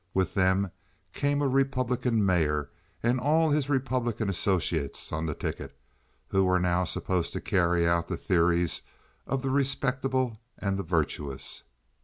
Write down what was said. With them came a Republican mayor and all his Republican associates on the ticket, who were now supposed to carry out the theories of the respectable and the virtuous.